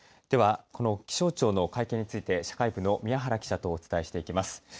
ではこの気象庁の会見について社会部の宮原記者とお伝えしていきます。